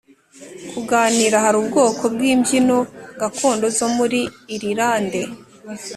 kuganira Hari ubwoko bw imbyino gakondo zo muri Irilande